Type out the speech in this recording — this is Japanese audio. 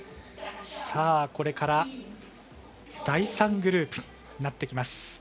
これから第３グループになってきます。